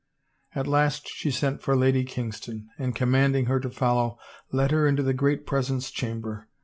At last she sent for Lady Kingston, and commanding her to follow, led her into the great presence chamber.